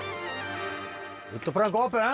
ウッドプランクオープン。